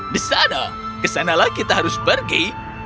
di sana kesanalah kita harus pergi